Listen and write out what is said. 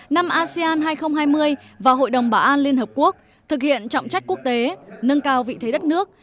năm asean hai nghìn hai mươi vào hội đồng bảo an liên hợp quốc thực hiện trọng trách quốc tế nâng cao vị thế đất nước